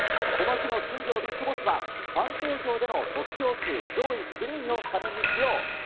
この日の新庄ビッグボスは、ファン投票での得票数上位９人をスタメンに起用。